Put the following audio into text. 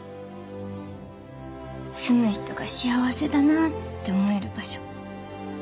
住む人が幸せだなぁって思える場所。